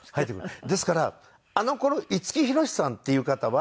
ですからあの頃五木ひろしさんっていう方はいらっしゃらない。